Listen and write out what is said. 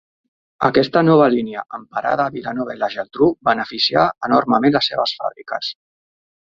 Aquesta nova línia, amb parada a Vilanova i la Geltrú, beneficià enormement les seves fàbriques.